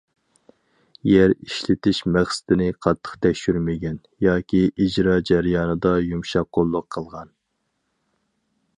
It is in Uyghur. يەر ئىشلىتىش مەقسىتىنى قاتتىق تەكشۈرمىگەن ياكى ئىجرا جەريانىدا يۇمشاق قوللۇق قىلغان.